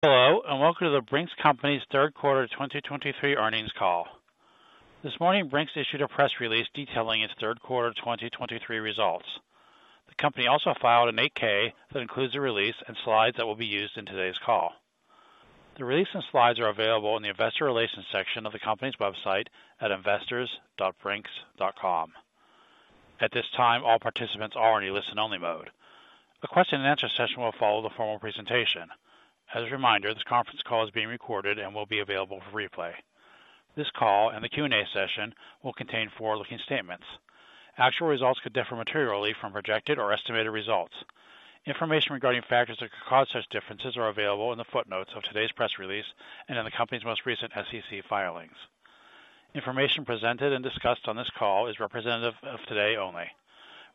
Hello, and welcome to the Brink's Company's third quarter 2023 earnings call. This morning, Brink's issued a press release detailing its third quarter 2023 results. The company also filed an 8-K that includes a release and slides that will be used in today's call. The release and slides are available in the investor relations section of the company's website at investors.brinks.com. At this time, all participants are in a listen-only mode. A question-and-answer session will follow the formal presentation. As a reminder, this conference call is being recorded and will be available for replay. This call and the Q&A session will contain forward-looking statements. Actual results could differ materially from projected or estimated results. Information regarding factors that could cause such differences are available in the footnotes of today's press release and in the company's most recent SEC filings. Information presented and discussed on this call is representative of today only.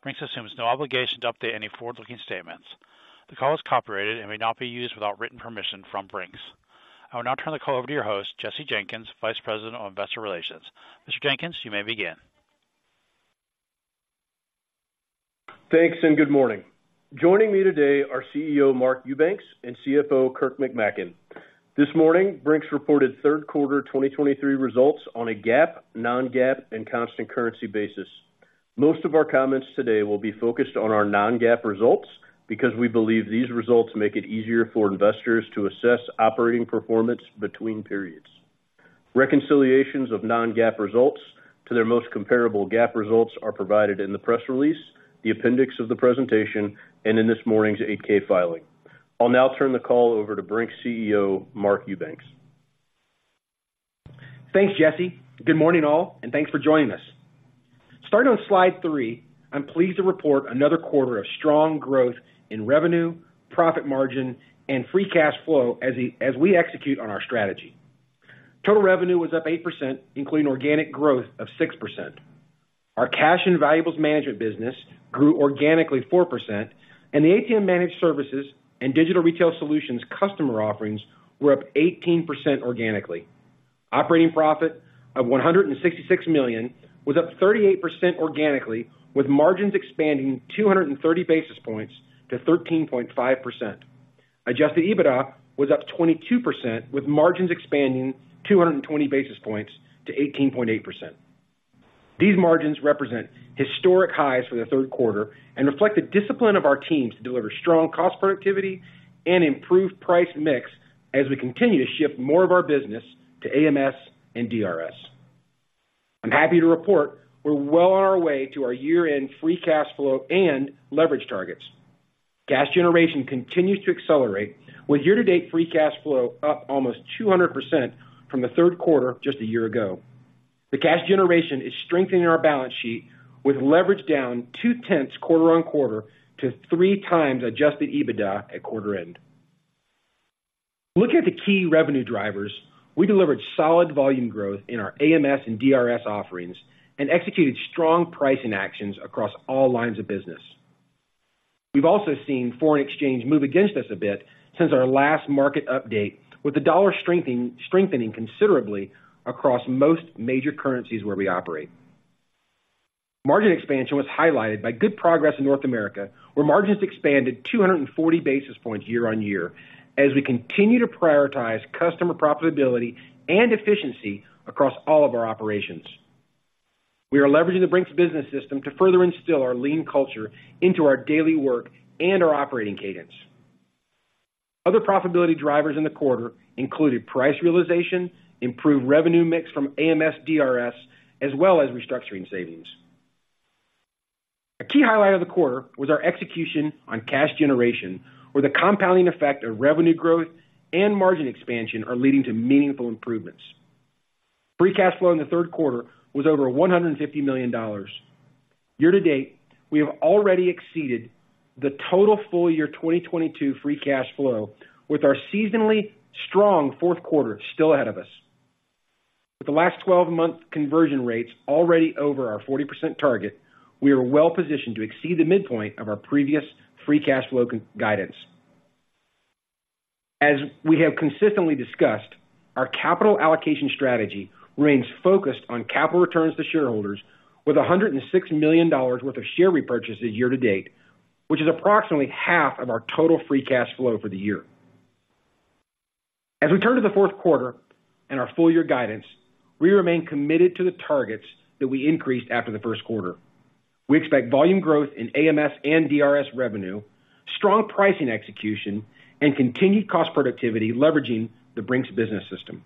Brink's assumes no obligation to update any forward-looking statements. The call is copyrighted and may not be used without written permission from Brink's. I will now turn the call over to your host, Jesse Jenkins, Vice President of Investor Relations. Mr. Jenkins, you may begin. Thanks, and good morning. Joining me today are CEO Mark Eubanks and CFO Kurt McMaken. This morning, Brink's reported third quarter 2023 results on a GAAP, non-GAAP, and constant currency basis. Most of our comments today will be focused on our non-GAAP results, because we believe these results make it easier for investors to assess operating performance between periods. Reconciliations of non-GAAP results to their most comparable GAAP results are provided in the press release, the appendix of the presentation, and in this morning's 8-K filing. I'll now turn the call over to Brink's CEO Mark Eubanks. Thanks, Jesse. Good morning, all, and thanks for joining us. Starting on slide 3, I'm pleased to report another quarter of strong growth in revenue, profit margin, and free cash flow as we execute on our strategy. Total revenue was up 8%, including organic growth of 6%. Our Cash and Valuables Management business grew organically 4%, and the ATM Managed Services and Digital Retail Solutions customer offerings were up 18% organically. Operating profit of $166 million was up 38% organically, with margins expanding 230 basis points to 13.5%. Adjusted EBITDA was up 22%, with margins expanding 220 basis points to 18.8%. These margins represent historic highs for the third quarter and reflect the discipline of our teams to deliver strong cost productivity and improved price mix as we continue to shift more of our business to AMS and DRS. I'm happy to report we're well on our way to our year-end Free Cash Flow and Leverage targets. Cash generation continues to accelerate, with year-to-date Free Cash Flow up almost 200% from the third quarter just a year ago. The cash generation is strengthening our balance sheet, with Leverage down 0.2 quarter-over-quarter to 3x Adjusted EBITDA at quarter end. Looking at the key revenue drivers, we delivered solid volume growth in our AMS and DRS offerings and executed strong pricing actions across all lines of business. We've also seen foreign exchange move against us a bit since our last market update, with the dollar strengthening, strengthening considerably across most major currencies where we operate. Margin expansion was highlighted by good progress in North America, where margins expanded 240 basis points year-over-year as we continue to prioritize customer profitability and efficiency across all of our operations. We are leveraging the Brink's Business System to further instill our lean culture into our daily work and our operating cadence. Other profitability drivers in the quarter included price realization, improved revenue mix from AMS, DRS, as well as restructuring savings. A key highlight of the quarter was our execution on cash generation, where the compounding effect of revenue growth and margin expansion are leading to meaningful improvements. Free Cash Flow in the third quarter was over $150 million. Year to date, we have already exceeded the total full year 2022 free cash flow, with our seasonally strong fourth quarter still ahead of us. With the last 12-month conversion rates already over our 40% target, we are well positioned to exceed the midpoint of our previous free cash flow conversion guidance. As we have consistently discussed, our capital allocation strategy remains focused on capital returns to shareholders with $106 million worth of share repurchases year to date, which is approximately half of our total free cash flow for the year. As we turn to the fourth quarter and our full year guidance, we remain committed to the targets that we increased after the first quarter. We expect volume growth in AMS and DRS revenue, strong pricing execution, and continued cost productivity, leveraging the Brink's Business System.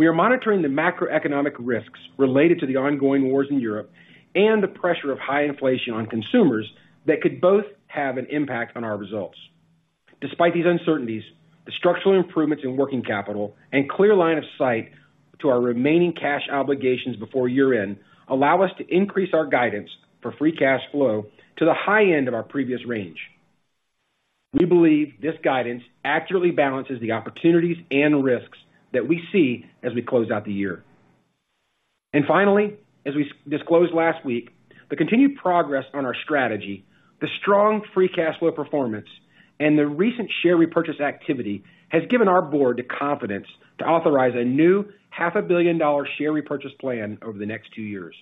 We are monitoring the macroeconomic risks related to the ongoing wars in Europe and the pressure of high inflation on consumers that could both have an impact on our results. Despite these uncertainties, the structural improvements in working capital and clear line of sight to our remaining cash obligations before year-end allow us to increase our guidance for free cash flow to the high end of our previous range. We believe this guidance accurately balances the opportunities and risks that we see as we close out the year. And finally, as we disclosed last week, the continued progress on our strategy, the strong free cash flow performance, and the recent share repurchase activity, has given our board the confidence to authorize a new $500 million share repurchase plan over the next two years.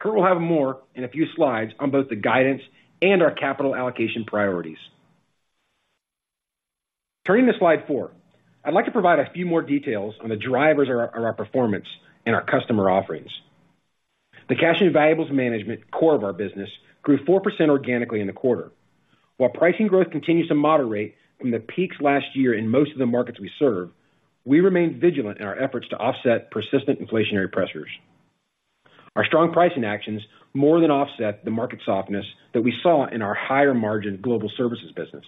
Kurt will have more in a few slides on both the guidance and our capital allocation priorities. Turning to slide 4, I'd like to provide a few more details on the drivers of our performance and our customer offerings. The Cash and Valuables Management core of our business grew 4% organically in the quarter. While pricing growth continues to moderate from the peaks last year in most of the markets we serve, we remain vigilant in our efforts to offset persistent inflationary pressures. Our strong pricing actions more than offset the market softness that we saw in our higher-margin Global Services business.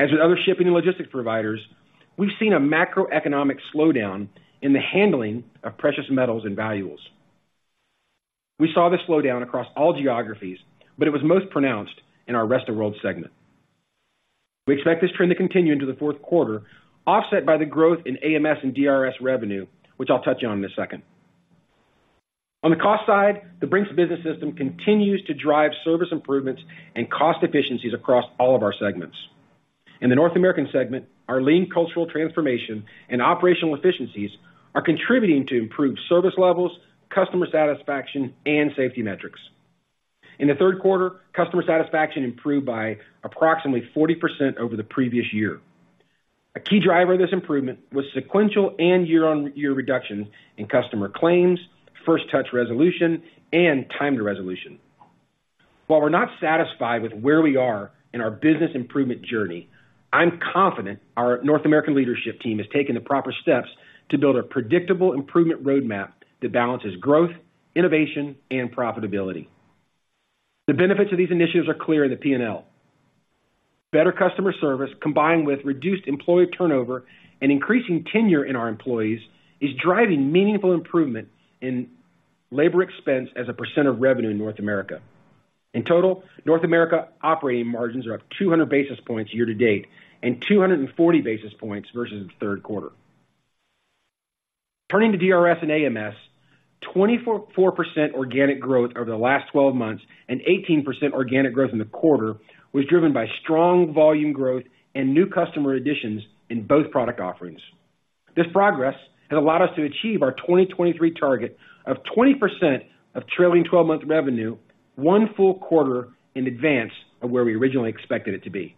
As with other shipping and logistics providers, we've seen a macroeconomic slowdown in the handling of precious metals and valuables. We saw this slowdown across all geographies, but it was most pronounced in our Rest of World segment. We expect this trend to continue into the fourth quarter, offset by the growth in AMS and DRS revenue, which I'll touch on in a second. On the cost side, the Brink's Business System continues to drive service improvements and cost efficiencies across all of our segments. In the North American segment, our lean cultural transformation and operational efficiencies are contributing to improved service levels, customer satisfaction, and safety metrics. In the third quarter, customer satisfaction improved by approximately 40% over the previous year. A key driver of this improvement was sequential and year-on-year reductions in customer claims, first-touch resolution, and time to resolution. While we're not satisfied with where we are in our business improvement journey, I'm confident our North American leadership team has taken the proper steps to build a predictable improvement roadmap that balances growth, innovation, and profitability. The benefits of these initiatives are clear in the P&L. Better customer service, combined with reduced employee turnover and increasing tenure in our employees, is driving meaningful improvement in labor expense as a percent of revenue in North America. In total, North America operating margins are up 200 basis points year-to-date, and 240 basis points versus the third quarter. Turning to DRS and AMS, 24% organic growth over the last 12 months and 18% organic growth in the quarter was driven by strong volume growth and new customer additions in both product offerings. This progress has allowed us to achieve our 2023 target of 20% of trailing twelve-month revenue, one full quarter in advance of where we originally expected it to be.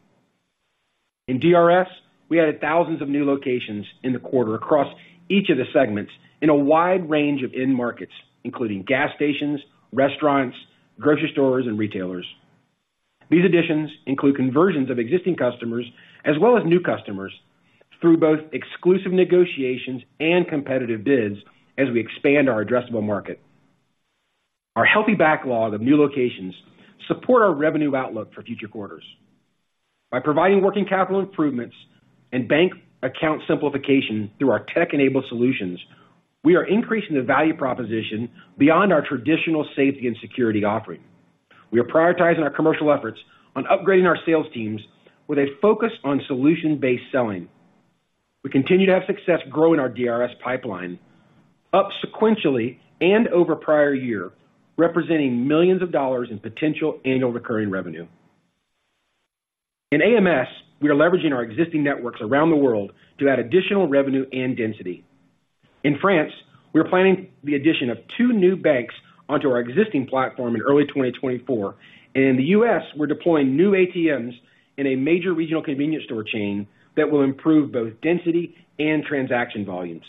In DRS, we added thousands of new locations in the quarter across each of the segments in a wide range of end markets, including gas stations, restaurants, grocery stores, and retailers. These additions include conversions of existing customers as well as new customers through both exclusive negotiations and competitive bids as we expand our addressable market. Our healthy backlog of new locations support our revenue outlook for future quarters. By providing working capital improvements and bank account simplification through our tech-enabled solutions, we are increasing the value proposition beyond our traditional safety and security offering. We are prioritizing our commercial efforts on upgrading our sales teams with a focus on solution-based selling. We continue to have success growing our DRS pipeline up sequentially and over prior year, representing $ millions in potential annual recurring revenue. In AMS, we are leveraging our existing networks around the world to add additional revenue and density. In France, we are planning the addition of two new banks onto our existing platform in early 2024, and in the U.S., we're deploying new ATMs in a major regional convenience store chain that will improve both density and transaction volumes.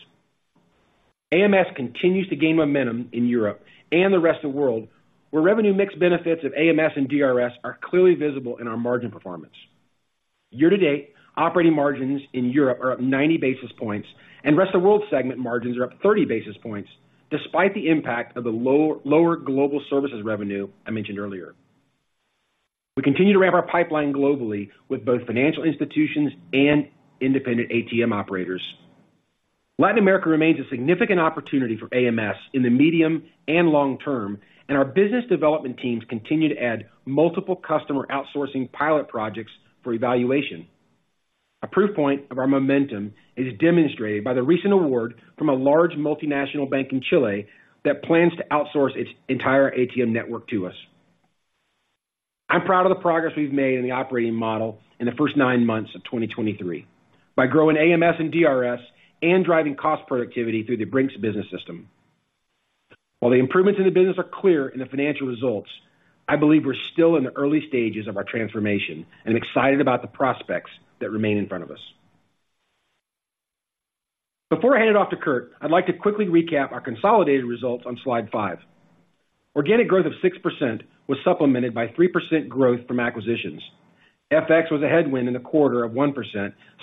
AMS continues to gain momentum in Europe and the rest of the world, where revenue mix benefits of AMS and DRS are clearly visible in our margin performance. Year-to-date, operating margins in Europe are up 90 basis points, and Rest of World segment margins are up 30 basis points, despite the impact of the lower Global Services revenue I mentioned earlier. We continue to ramp our pipeline globally with both financial institutions and independent ATM operators. Latin America remains a significant opportunity for AMS in the medium and long term, and our business development teams continue to add multiple customer outsourcing pilot projects for evaluation. A proof point of our momentum is demonstrated by the recent award from a large multinational bank in Chile that plans to outsource its entire ATM network to us. I'm proud of the progress we've made in the operating model in the first nine months of 2023 by growing AMS and DRS and driving cost productivity through the Brink's Business System. While the improvements in the business are clear in the financial results, I believe we're still in the early stages of our transformation and excited about the prospects that remain in front of us. Before I hand it off to Kurt, I'd like to quickly recap our consolidated results on slide five. Organic growth of 6% was supplemented by 3% growth from acquisitions. FX was a headwind in the quarter of 1%,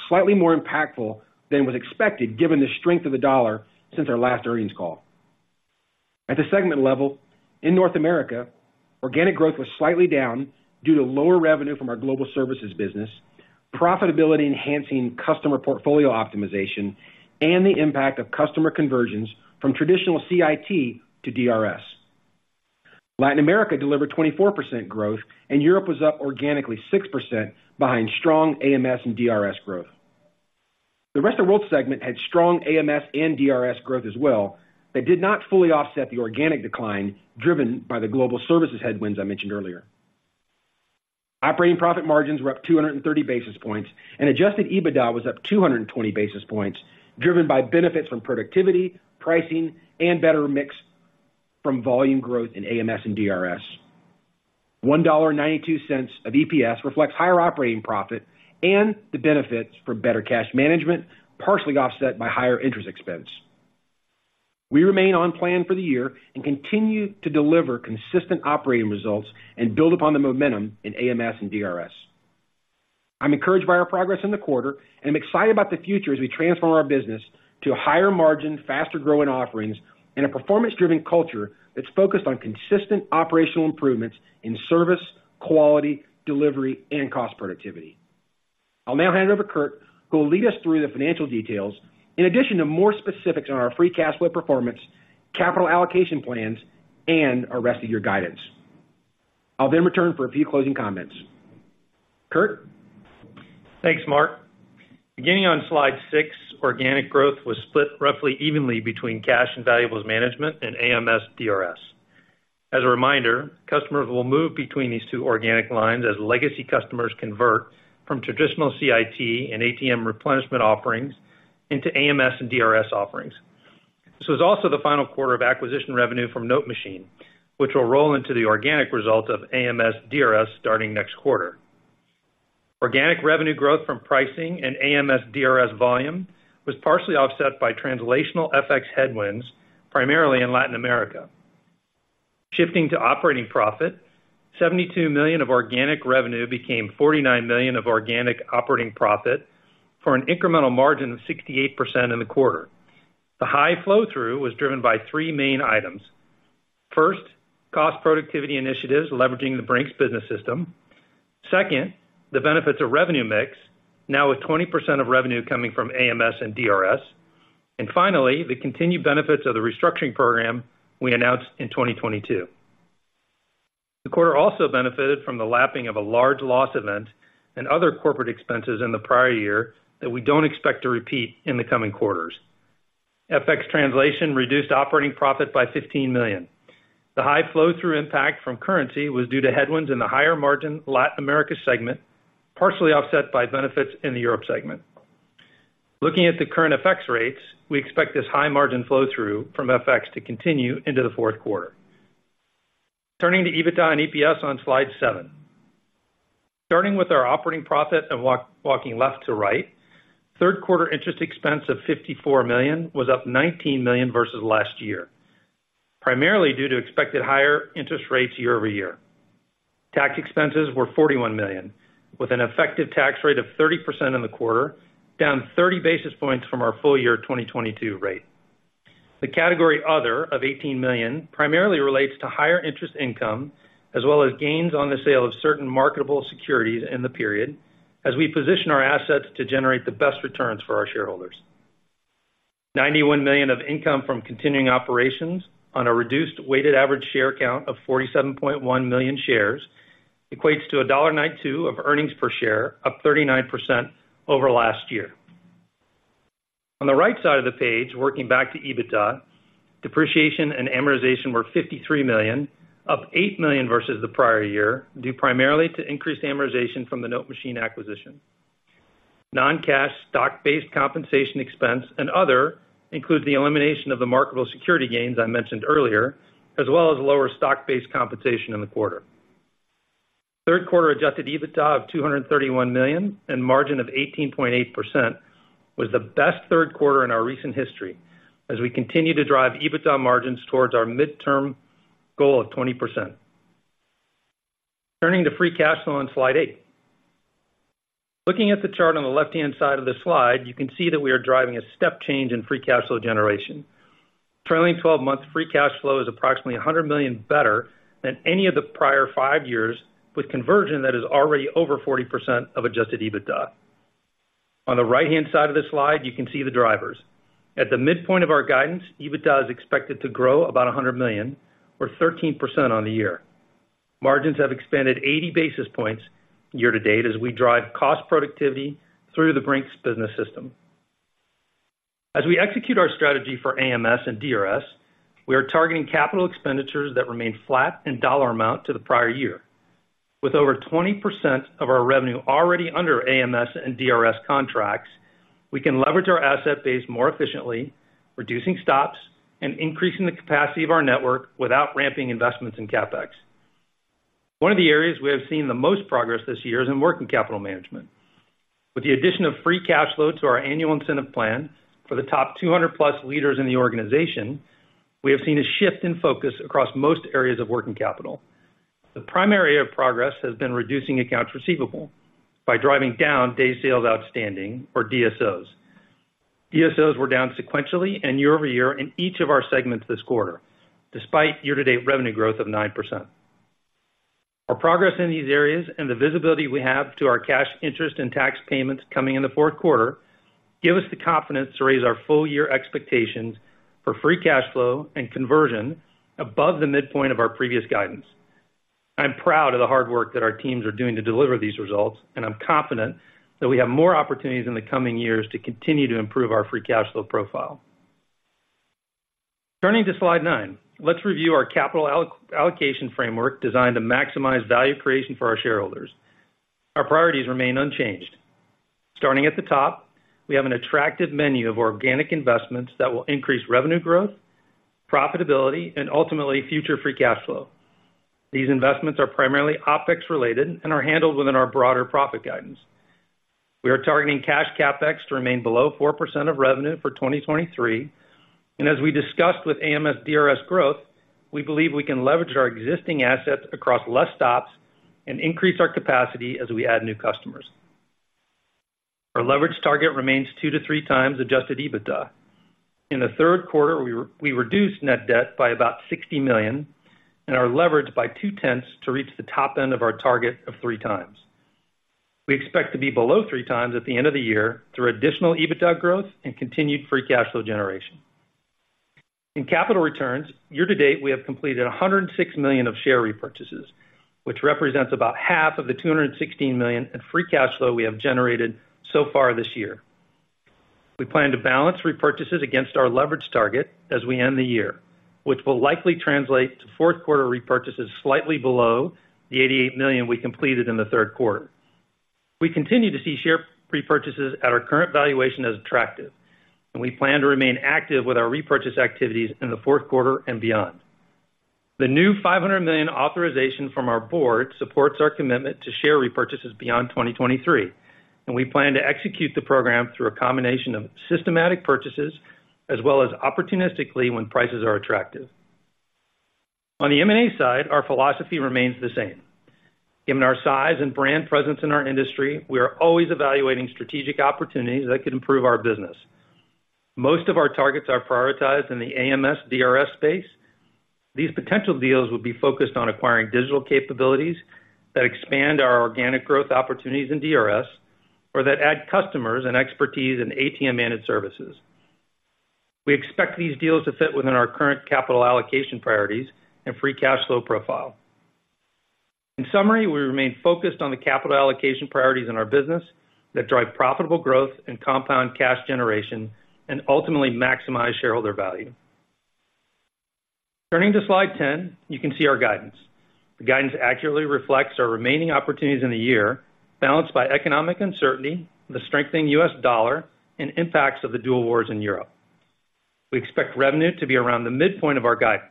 slightly more impactful than was expected, given the strength of the dollar since our last earnings call. At the segment level, in North America, organic growth was slightly down due to lower revenue from our Global Services business, profitability-enhancing customer portfolio optimization, and the impact of customer conversions from traditional CIT to DRS. Latin America delivered 24% growth, and Europe was up organically 6% behind strong AMS and DRS growth. The Rest of World segment had strong AMS and DRS growth as well, but did not fully offset the organic decline driven by the Global Services headwinds I mentioned earlier.... Operating profit margins were up 230 basis points, and Adjusted EBITDA was up 220 basis points, driven by benefits from productivity, pricing, and better mix from volume growth in AMS and DRS. $1.92 of EPS reflects higher operating profit and the benefits from better cash management, partially offset by higher interest expense. We remain on plan for the year and continue to deliver consistent operating results and build upon the momentum in AMS and DRS. I'm encouraged by our progress in the quarter, and I'm excited about the future as we transform our business to higher margin, faster-growing offerings, and a performance-driven culture that's focused on consistent operational improvements in service, quality, delivery, and cost productivity. I'll now hand it over to Kurt, who will lead us through the financial details, in addition to more specifics on our free cash flow performance, capital allocation plans, and our rest of year guidance. I'll then return for a few closing comments. Kurt? Thanks, Mark. Beginning on slide 6, organic growth was split roughly evenly between Cash and Valuables Management and AMS, DRS. As a reminder, customers will move between these two organic lines as legacy customers convert from traditional CIT and ATM replenishment offerings into AMS and DRS offerings. This was also the final quarter of acquisition revenue from NoteMachine, which will roll into the organic result of AMS, DRS starting next quarter. Organic revenue growth from pricing and AMS, DRS volume was partially offset by translational FX headwinds, primarily in Latin America. Shifting to operating profit, $72 million of organic revenue became $49 million of organic operating profit, for an incremental margin of 68% in the quarter. The high flow-through was driven by three main items. First, cost productivity initiatives leveraging the Brink's Business System. Second, the benefits of revenue mix, now with 20% of revenue coming from AMS and DRS. And finally, the continued benefits of the restructuring program we announced in 2022. The quarter also benefited from the lapping of a large loss event and other corporate expenses in the prior year that we don't expect to repeat in the coming quarters. FX translation reduced operating profit by $15 million. The high flow-through impact from currency was due to headwinds in the higher margin Latin America segment, partially offset by benefits in the Europe segment. Looking at the current FX rates, we expect this high margin flow-through from FX to continue into the fourth quarter. Turning to EBITDA and EPS on slide 7. Starting with our operating profit and walk, walking left to right, third quarter interest expense of $54 million was up $19 million versus last year, primarily due to expected higher interest rates year over year. Tax expenses were $41 million, with an effective tax rate of 30% in the quarter, down 30 basis points from our full year 2022 rate. The category Other, of $18 million, primarily relates to higher interest income, as well as gains on the sale of certain marketable securities in the period, as we position our assets to generate the best returns for our shareholders. $91 million of income from continuing operations on a reduced weighted average share count of 47.1 million shares equates to a $1.92 of earnings per share, up 39% over last year. On the right side of the page, working back to EBITDA, depreciation and amortization were $53 million, up $8 million versus the prior year, due primarily to increased amortization from the NoteMachine acquisition. Non-cash stock-based compensation expense and other include the elimination of the marketable security gains I mentioned earlier, as well as lower stock-based compensation in the quarter. Third quarter adjusted EBITDA of $231 million and margin of 18.8% was the best third quarter in our recent history, as we continue to drive EBITDA margins towards our midterm goal of 20%. Turning to free cash flow on slide 8. Looking at the chart on the left-hand side of the slide, you can see that we are driving a step change in free cash flow generation. Trailing 12-month free cash flow is approximately $100 million better than any of the prior 5 years, with conversion that is already over 40% of Adjusted EBITDA. On the right-hand side of this slide, you can see the drivers. At the midpoint of our guidance, EBITDA is expected to grow about $100 million, or 13% on the year. Margins have expanded 80 basis points year-to-date as we drive cost productivity through the Brink's Business System. As we execute our strategy for AMS and DRS, we are targeting capital expenditures that remain flat in dollar amount to the prior year. With over 20% of our revenue already under AMS and DRS contracts, we can leverage our asset base more efficiently, reducing stops and increasing the capacity of our network without ramping investments in CapEx. One of the areas we have seen the most progress this year is in working capital management. With the addition of free cash flow to our annual incentive plan for the top 200-plus leaders in the organization, we have seen a shift in focus across most areas of working capital. The primary area of progress has been reducing accounts receivable by driving down Days Sales Outstanding, or DSOs. DSOs were down sequentially and year-over-year in each of our segments this quarter, despite year-to-date revenue growth of 9%. Our progress in these areas and the visibility we have to our cash interest and tax payments coming in the fourth quarter give us the confidence to raise our full-year expectations for free cash flow and conversion above the midpoint of our previous guidance. I'm proud of the hard work that our teams are doing to deliver these results, and I'm confident that we have more opportunities in the coming years to continue to improve our free cash flow profile. Turning to Slide 9, let's review our capital allocation framework designed to maximize value creation for our shareholders. Our priorities remain unchanged. Starting at the top, we have an attractive menu of organic investments that will increase revenue growth, profitability, and ultimately, future free cash flow. These investments are primarily OpEx related and are handled within our broader profit guidance. We are targeting cash CapEx to remain below 4% of revenue for 2023, and as we discussed with AMS-DRS growth, we believe we can leverage our existing assets across less stops and increase our capacity as we add new customers. Our leverage target remains 2-3 times adjusted EBITDA. In the third quarter, we reduced net debt by about $60 million and are leveraged 2.0x to reach the top end of our target of 3x. We expect to be below 3x at the end of the year through additional EBITDA growth and continued free cash flow generation. In capital returns, year to date, we have completed $106 million of share repurchases, which represents about half of the $216 million in free cash flow we have generated so far this year. We plan to balance repurchases against our leverage target as we end the year, which will likely translate to fourth quarter repurchases slightly below the $88 million we completed in the third quarter. We continue to see share repurchases at our current valuation as attractive, and we plan to remain active with our repurchase activities in the fourth quarter and beyond. The new $500 million authorization from our board supports our commitment to share repurchases beyond 2023, and we plan to execute the program through a combination of systematic purchases as well as opportunistically when prices are attractive. On the M&A side, our philosophy remains the same. Given our size and brand presence in our industry, we are always evaluating strategic opportunities that could improve our business. Most of our targets are prioritized in the AMS-DRS space. These potential deals will be focused on acquiring digital capabilities that expand our organic growth opportunities in DRS, or that add customers and expertise in ATM managed services. We expect these deals to fit within our current capital allocation priorities and free cash flow profile. In summary, we remain focused on the capital allocation priorities in our business that drive profitable growth and compound cash generation and ultimately maximize shareholder value. Turning to Slide 10, you can see our guidance. The guidance accurately reflects our remaining opportunities in the year, balanced by economic uncertainty, the strengthening U.S. dollar, and impacts of the dual wars in Europe. We expect revenue to be around the midpoint of our guidance,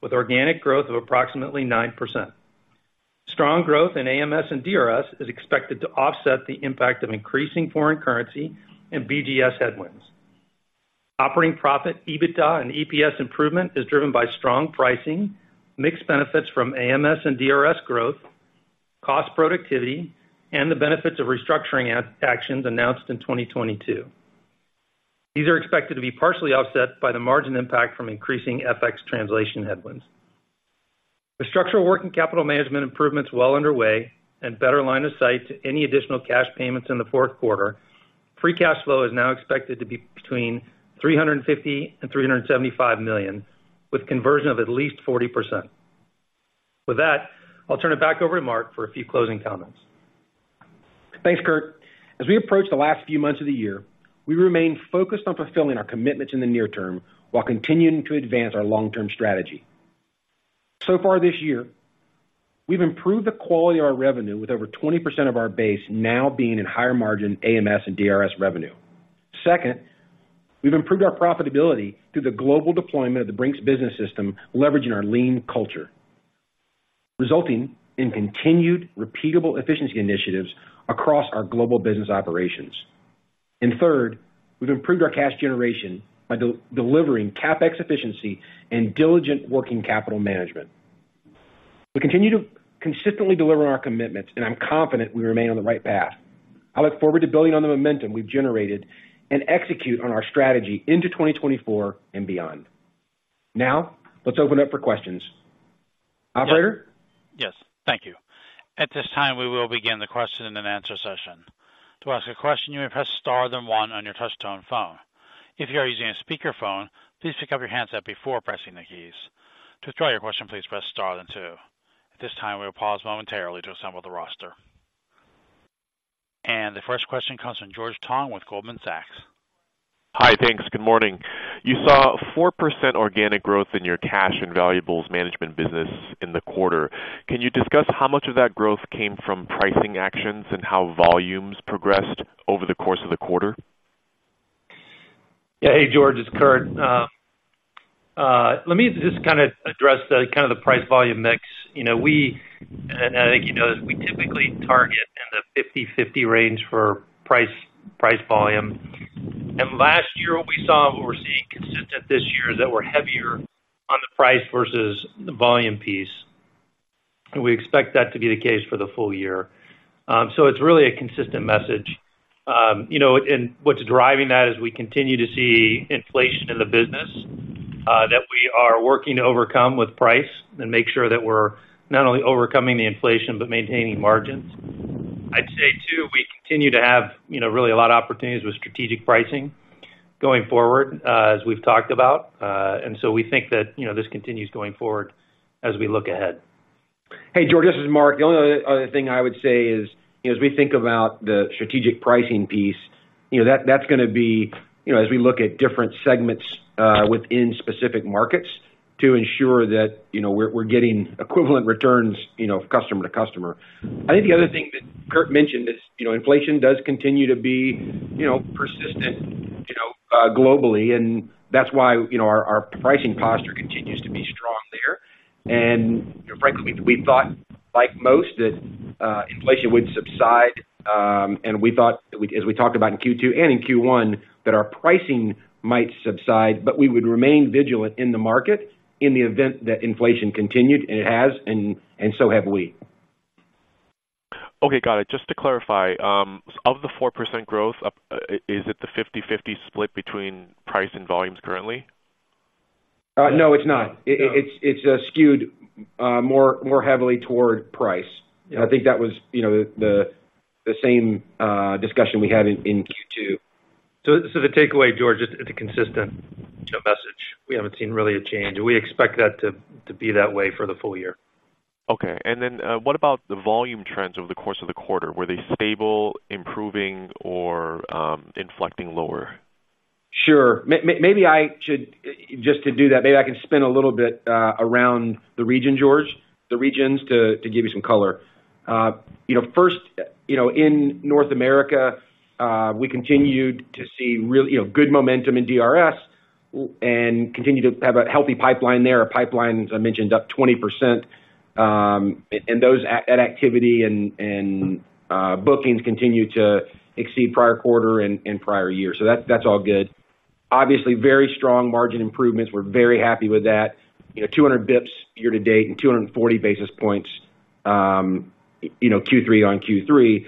with organic growth of approximately 9%. Strong growth in AMS and DRS is expected to offset the impact of increasing foreign currency and BGS headwinds. Operating profit, EBITDA, and EPS improvement is driven by strong pricing, mixed benefits from AMS and DRS growth, cost productivity, and the benefits of restructuring actions announced in 2022. These are expected to be partially offset by the margin impact from increasing FX translation headwinds. The structural working capital management improvements, well underway, and better line of sight to any additional cash payments in the fourth quarter, free cash flow is now expected to be between $350 million and $375 million, with conversion of at least 40%. With that, I'll turn it back over to Mark for a few closing comments. Thanks, Kurt. As we approach the last few months of the year, we remain focused on fulfilling our commitments in the near term while continuing to advance our long-term strategy. So far this year, we've improved the quality of our revenue, with over 20% of our base now being in higher margin AMS and DRS revenue. Second, we've improved our profitability through the global deployment of the Brink's Business System, leveraging our lean culture, resulting in continued repeatable efficiency initiatives across our global business operations. And third, we've improved our cash generation by delivering CapEx efficiency and diligent working capital management. We continue to consistently deliver on our commitments, and I'm confident we remain on the right path. I look forward to building on the momentum we've generated and execute on our strategy into 2024 and beyond. Now, let's open up for questions. Operator? Yes. Thank you. At this time, we will begin the question and answer session. To ask a question, you may press star, then one on your touchtone phone. If you are using a speakerphone, please pick up your handset before pressing the keys. To withdraw your question, please press star then two. At this time, we will pause momentarily to assemble the roster. The first question comes from George Tong with Goldman Sachs. Hi, thanks. Good morning. You saw 4% organic growth in your Cash and Valuables Management business in the quarter. Can you discuss how much of that growth came from pricing actions and how volumes progressed over the course of the quarter? Yeah. Hey, George, it's Kurt. Let me just kinda address the, kind of the price volume mix. You know, we, and I think, you know, we typically target in the 50/50 range for price, price volume. And last year, we saw what we're seeing consistent this year, that we're heavier on the price versus the volume piece, and we expect that to be the case for the full year. So it's really a consistent message. You know, and what's driving that is we continue to see inflation in the business, that we are working to overcome with price and make sure that we're not only overcoming the inflation, but maintaining margins. I'd say, too, we continue to have, you know, really a lot of opportunities with strategic pricing going forward, as we've talked about. We think that, you know, this continues going forward as we look ahead.... Hey, George, this is Mark. The only other thing I would say is, you know, as we think about the strategic pricing piece, you know, that's gonna be, you know, as we look at different segments within specific markets to ensure that, you know, we're getting equivalent returns, you know, customer to customer. I think the other thing that Kurt mentioned is, you know, inflation does continue to be, you know, persistent globally, and that's why, you know, our pricing posture continues to be strong there. And, you know, frankly, we thought, like most, that inflation would subside, and we thought that we—as we talked about in Q2 and in Q1, that our pricing might subside, but we would remain vigilant in the market in the event that inflation continued, and it has, and so have we. Okay, got it. Just to clarify, of the 4% growth, is it the 50/50 split between price and volumes currently? No, it's not. It's skewed more heavily toward price. And I think that was, you know, the same discussion we had in Q2. The takeaway, George, is it's a consistent, you know, message. We haven't seen really a change, and we expect that to be that way for the full year. Okay. And then, what about the volume trends over the course of the quarter? Were they stable, improving, or, inflecting lower? Sure. Maybe I should just to do that, maybe I can spin a little bit around the region, George, the regions, to give you some color. You know, first, you know, in North America, we continued to see real good momentum in DRS and continued to have a healthy pipeline there. Our pipeline, as I mentioned, up 20%, and those activities and bookings continue to exceed prior quarter and prior years. So that's all good. Obviously, very strong margin improvements. We're very happy with that. You know, 200 basis points year to date and 240 basis points, you know, Q3 on Q3.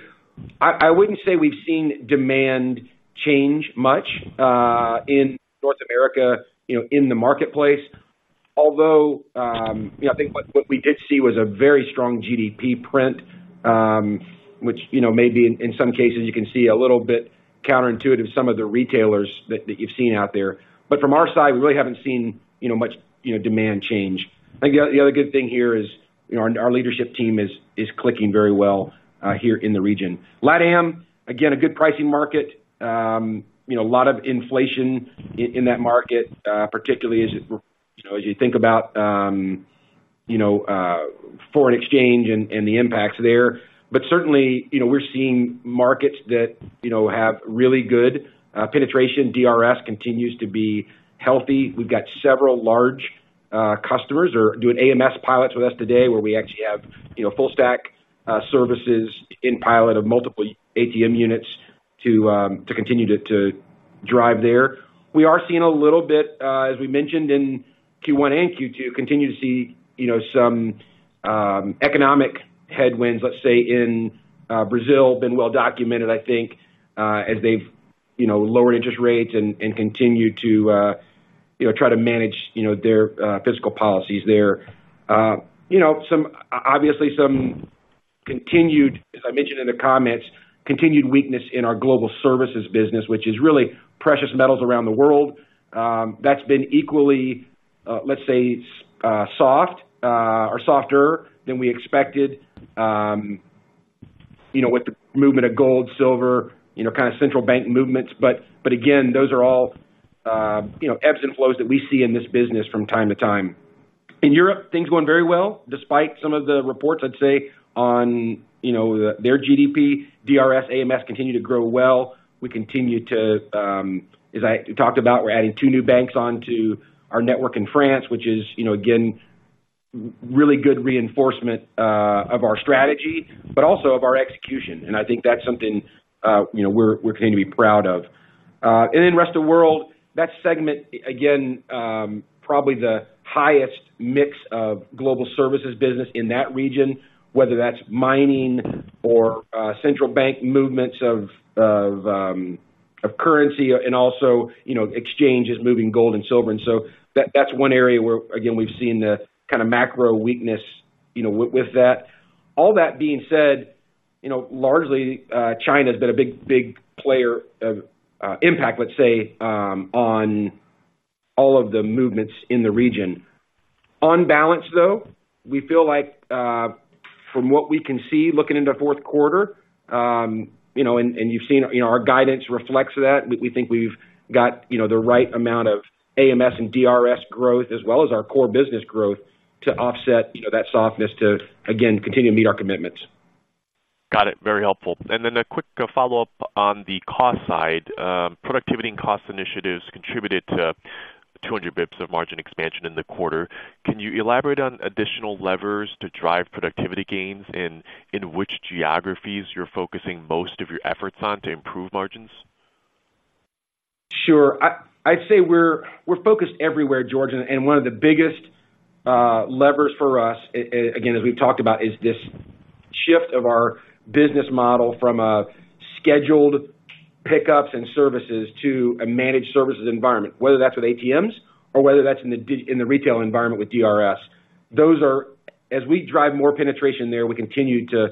I wouldn't say we've seen demand change much in North America, you know, in the marketplace. Although you know, I think what we did see was a very strong GDP print, which you know, maybe in some cases you can see a little bit counterintuitive, some of the retailers that you've seen out there. But from our side, we really haven't seen you know, much you know, demand change. I think the other good thing here is you know, our leadership team is clicking very well here in the region. LATAM, again, a good pricing market. You know, a lot of inflation in that market, particularly as it you know, as you think about you know, foreign exchange and the impacts there. But certainly you know, we're seeing markets that you know, have really good penetration. DRS continues to be healthy. We've got several large customers are doing AMS pilots with us today, where we actually have, you know, full stack services in pilot of multiple ATM units to continue to drive there. We are seeing a little bit, as we mentioned in Q1 and Q2, continue to see, you know, some economic headwinds, let's say, in Brazil, been well documented, I think, as they've, you know, lowered interest rates and continued to try to manage their fiscal policies there. You know, obviously, some continued, as I mentioned in the comments, continued weakness in our Global Services business, which is really precious metals around the world. That's been equally, let's say, soft, or softer than we expected, you know, with the movement of gold, silver, you know, kind of central bank movements. But again, those are all, you know, ebbs and flows that we see in this business from time to time. In Europe, things are going very well, despite some of the reports, I'd say, on, you know, their GDP. DRS, AMS continue to grow well. We continue to, as I talked about, we're adding two new banks onto our network in France, which is, you know, again, really good reinforcement, of our strategy, but also of our execution, and I think that's something, you know, we're continuing to be proud of. And then rest of world, that segment, again, probably the highest mix of Global Services business in that region, whether that's mining or, central bank movements of, of, currency and also, you know, exchanges moving gold and silver. And so that's one area where, again, we've seen the kind of macro weakness, you know, with that. All that being said, you know, largely, China has been a big, big player of impact, let's say, on all of the movements in the region. On balance, though, we feel like, from what we can see looking into fourth quarter, you know, and you've seen, you know, our guidance reflects that. We think we've got, you know, the right amount of AMS and DRS growth, as well as our core business growth, to offset, you know, that softness, to, again, continue to meet our commitments. Got it. Very helpful. And then a quick follow-up on the cost side. Productivity and cost initiatives contributed to 200 basis points of margin expansion in the quarter. Can you elaborate on additional levers to drive productivity gains and in which geographies you're focusing most of your efforts on to improve margins? Sure. I'd say we're focused everywhere, George, and one of the biggest levers for us, again, as we've talked about, is this shift of our business model from a scheduled pickups and services to a managed services environment, whether that's with ATMs or whether that's in the retail environment with DRS. Those are... As we drive more penetration there, we continue to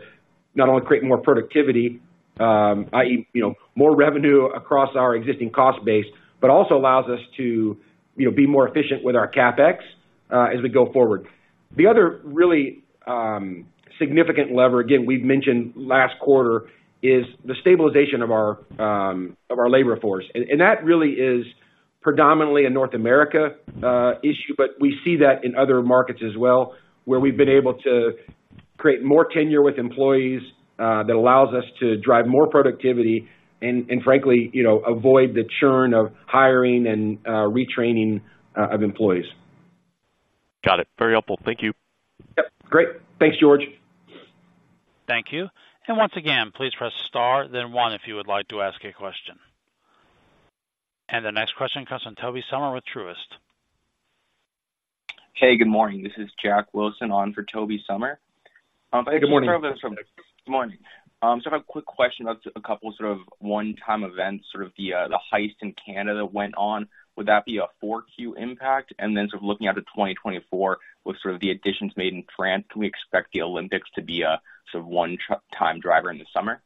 not only create more productivity, i.e., you know, more revenue across our existing cost base, but also allows us to, you know, be more efficient with our CapEx, as we go forward. The other really significant lever, again, we've mentioned last quarter, is the stabilization of our labor force. That really is predominantly a North America issue, but we see that in other markets as well, where we've been able to create more tenure with employees that allows us to drive more productivity and frankly, you know, avoid the churn of hiring and retraining of employees. Got it. Very helpful. Thank you. Yep. Great. Thanks, George. Thank you. And once again, please press Star, then one, if you would like to ask a question. And the next question comes from Toby Sommer with Truist. Hey, good morning, this is Jack Wilson on for Toby Sommer. Hey, good morning. Good morning. So I have a quick question about a couple sort of one-time events, sort of the heist in Canada went on. Would that be a 4Q impact? And then sort of looking out to 2024, with sort of the additions made in France, can we expect the Olympics to be a sort of one-time driver in the summer?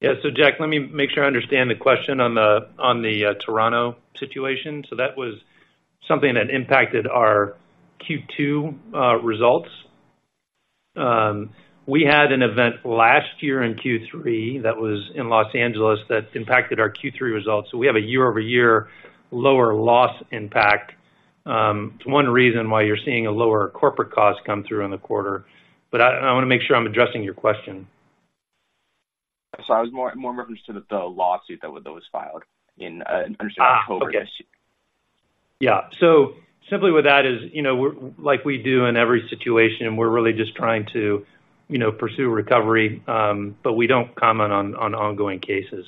Yeah. So, Jack, let me make sure I understand the question on the Toronto situation. So that was something that impacted our Q2 results. We had an event last year in Q3 that was in Los Angeles that impacted our Q3 results. So we have a year-over-year lower loss impact. It's one reason why you're seeing a lower corporate cost come through in the quarter. But I wanna make sure I'm addressing your question. I was more in reference to the lawsuit that was filed in Ah, okay. October this year. Yeah. So simply with that is, you know, we're, like we do in every situation, we're really just trying to, you know, pursue recovery, but we don't comment on ongoing cases.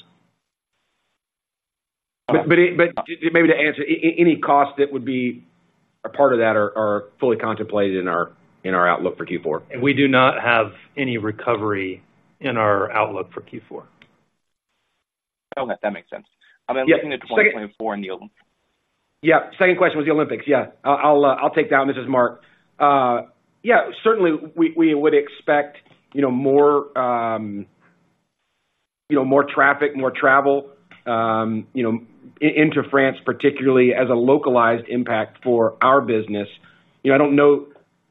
But maybe to answer, any cost that would be a part of that are fully contemplated in our outlook for Q4. We do not have any recovery in our outlook for Q4. Okay, that makes sense. Yeah. I'm then looking at 2024 and the Olympics. Yeah. Second question was the Olympics. Yeah. I'll take that, and this is Mark. Yeah, certainly we would expect, you know, more, you know, more traffic, more travel, you know, into France, particularly as a localized impact for our business. You know, I don't know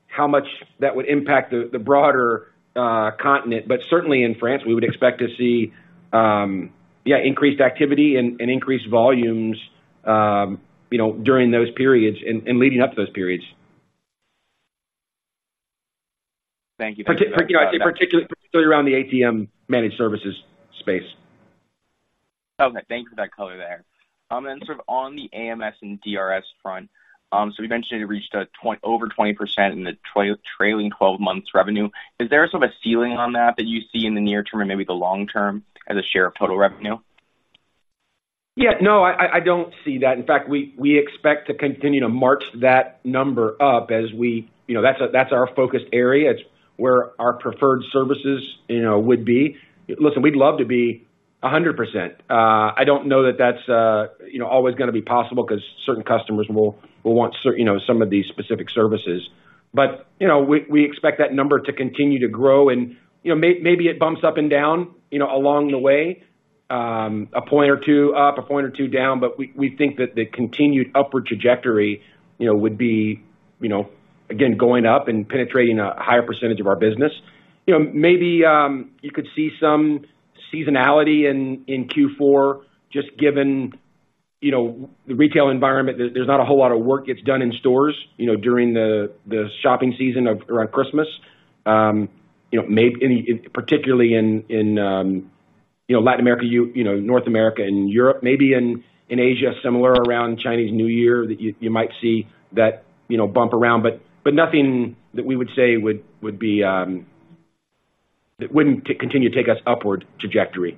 how much that would impact the broader continent, but certainly in France, we would expect to see, yeah, increased activity and increased volumes, you know, during those periods and leading up to those periods. Thank you. Particularly around the ATM Managed Services space. Okay, thank you for that color there. Then sort of on the AMS and DRS front. So you mentioned you reached over 20% in the trailing twelve months revenue. Is there sort of a ceiling on that, that you see in the near term and maybe the long term as a share of total revenue? Yeah, no, I don't see that. In fact, we expect to continue to march that number up as we -- you know, that's our focused area. It's where our preferred services, you know, would be. Listen, we'd love to be 100%. I don't know that that's, you know, always gonna be possible because certain customers will want certain -- you know, some of these specific services. But, you know, we expect that number to continue to grow and, you know, maybe it bumps up and down, you know, along the way, a point or two up, a point or two down. But we think that the continued upward trajectory, you know, would be, you know, again, going up and penetrating a higher percentage of our business. You know, maybe you could see some seasonality in Q4, just given, you know, the retail environment, there, there's not a whole lot of work gets done in stores, you know, during the shopping season of around Christmas. You know, maybe particularly in, you know, Latin America, you know, North America and Europe, maybe in Asia, similar around Chinese New Year, that you might see that, you know, bump around. But nothing that we would say would be. That wouldn't continue to take us upward trajectory.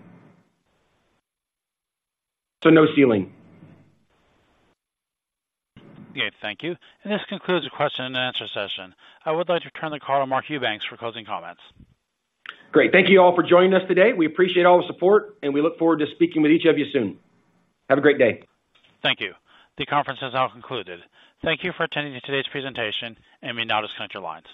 So no ceiling. Okay. Thank you. And this concludes the question and answer session. I would like to turn the call to Mark Eubanks for closing comments. Great. Thank you all for joining us today. We appreciate all the support, and we look forward to speaking with each of you soon. Have a great day. Thank you. The conference has now concluded. Thank you for attending today's presentation and may now disconnect your lines.